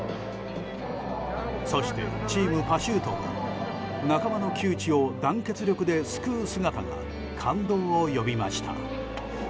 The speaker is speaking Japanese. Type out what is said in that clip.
そしてチームパシュートが仲間の窮地を団結力で救う姿が感動を呼びました。